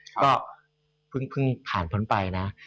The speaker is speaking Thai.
ก็เพิ่งผ่านพ้นไปนะ